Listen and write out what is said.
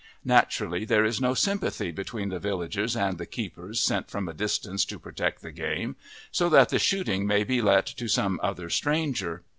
Naturally there is no sympathy between the villagers and the keepers sent from a distance to protect the game, so that the shooting may be let to some other stranger.